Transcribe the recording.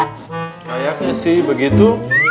kayaknya sih begitu